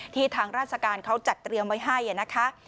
ทางราชการเขาจัดเตรียมไว้ให้นะคะ